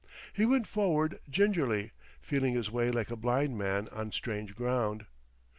He went forward gingerly, feeling his way like a blind man on strange ground.